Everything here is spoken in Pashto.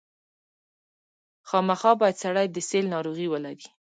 خامخا باید سړی د سِل ناروغي ولري.